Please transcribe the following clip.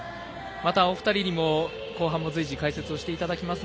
またお二人にも後半随時解説していただきます。